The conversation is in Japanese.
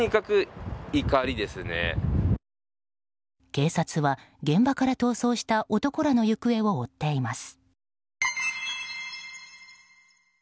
警察は現場から逃走した男らの行方を追っています。